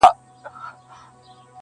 بې پیسو نه دچا خپل نه د چا سیال یې.